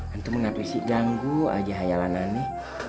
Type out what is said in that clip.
antum mengapisik ganggu aja hayalan aneh